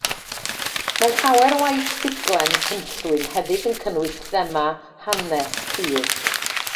Mae llawer o waith ffuglen cynllwyn hefyd yn cynnwys thema hanes cudd.